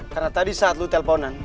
karena tadi saat lo telponan